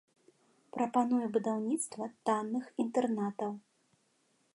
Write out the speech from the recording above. Прапануе будаўніцтва танных інтэрнатаў.